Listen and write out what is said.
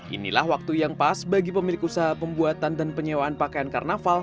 inilah waktu yang pas bagi pemilik usaha pembuatan dan penyewaan pakaian karnaval